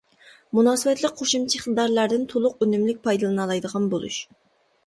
مۇناسىۋەتلىك قوشۇمچە ئىقتىدارلاردىن تولۇق، ئۈنۈملۈك پايدىلىنالايدىغان بولۇش.